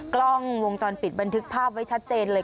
กล้องวงจรปิดบันทึกภาพไว้ชัดเจนเลย